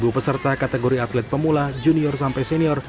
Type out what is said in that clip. dua puluh peserta kategori atlet pemula junior sampai senior